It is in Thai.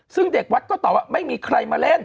ซึ่งเด็กวัดก็ตอบว่าไม่มีใครมาเล่น